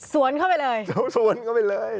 สวนเข้าไปเลย